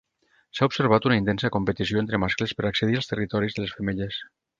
S'ha observat una intensa competició entre mascles per accedir als territoris de les femelles.